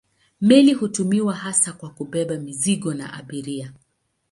Meli hutumiwa hasa kwa kubeba mizigo na abiria.